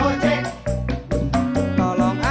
mod saya jalan duluan ya